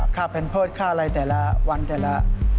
ฆ่าเพลิดเข้าอะไรแต่วันแต่วัน